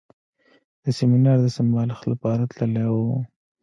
د سیمینار د سمبالښت لپاره تللی و.